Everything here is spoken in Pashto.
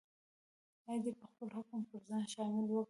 ایا دی به خپل حکم پر ځان شامل وګڼي؟